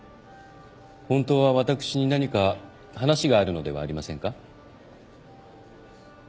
本当は私に何か話があるのではありませんか？